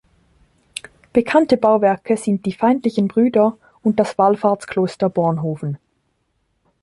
Bekannte Bauwerke sind die Feindlichen Brüder und das Wallfahrts-Kloster Bornhofen.